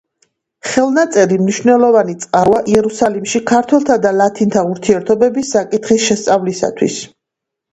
ხელნაწერი მნიშვნელოვანი წყაროა იერუსალიმში ქართველთა და ლათინთა ურთიერთობების საკითხის შესწავლისათვის.